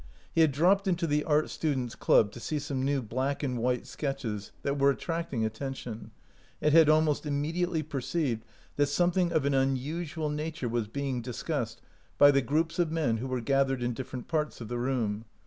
He had dropped into the Art Students' Club to see some new black and white sketches that 151 OUT OF BOHEMIA were attracting attention, and had almost immediately perceived that something of an unusual nature was being discussed by the groups of men who were gathered in dif ferent parts of the room.